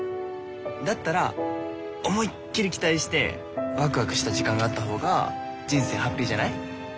だったら思いっきり期待してワクワクした時間があったほうが人生ハッピーじゃない？